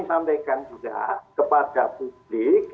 sampaikan juga kepada publik